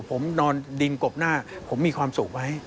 ผมนอนดินกบหน้าผมมีความสุขไหม